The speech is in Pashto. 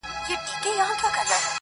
يو په ژړا سي چي يې بل ماسوم ارام سي ربه.